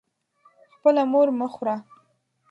خپله مور مه خوره.